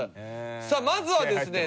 さあまずはですね